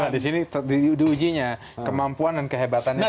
di sini diujinya kemampuan dan kehebatannya